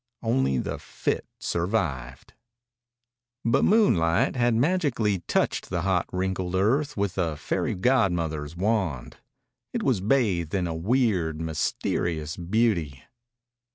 Only the fit survived. But moonlight had magically touched the hot, wrinkled earth with a fairy godmother's wand. It was bathed in a weird, mysterious beauty.